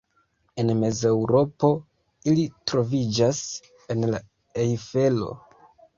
En Mezeŭropo ili troviĝas en la Ejfelo.